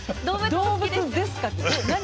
「動物ですか？」って何？